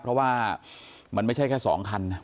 เพราะว่ามันไม่ใช่แค่๒คันนะ